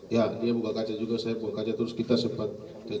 ya dia membaca juga saya buka kaca terus kita sempat